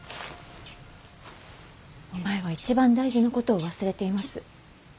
お前は一番大事なことを忘れています。